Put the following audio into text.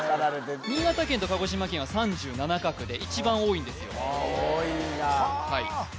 新潟県と鹿児島県は３７画で一番多いんですよああ多いんだはあ